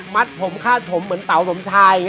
ผมคาดผมเหมือนเต๋าสมชาย